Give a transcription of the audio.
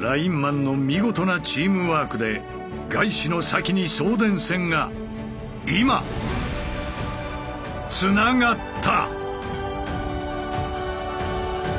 ラインマンの見事なチームワークでガイシの先に送電線が今つながった。